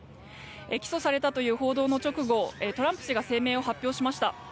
起訴されたという報道の直後トランプ氏が声明を発表しました。